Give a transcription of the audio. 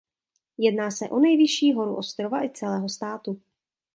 Jedná se o nejvyšší horu ostrova i celého státu.